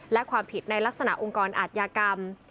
และความผิดในลักษณะองค์กรอาทยากรรม